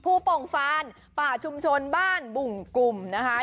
โป่งฟานป่าชุมชนบ้านบุ่งกลุ่มนะคะ